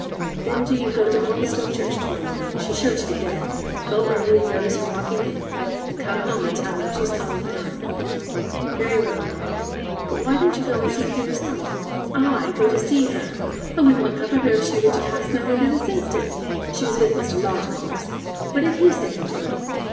'Then do you go to Holmstoke church to morrow morning: she's sure to be there. Go early and notice her walking in, and come home and tell me if she's taller than I.' 'Very well, mother. But why don't you go and see for yourself?' 'I go to see her! I wouldn't look up at her if she were to pass my window this instant. She was with Mr. Lodge, of course. What did he say or do?